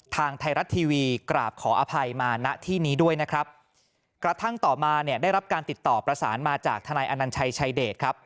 ทางไทยรัฐทีวีกราบขออภัยมาณที่นี้ด้วยนะครับกระทั่งต่อมาเนี่ยได้รับการติดต่อประสานมาจากทนายอนัญชัยชายเดชครับ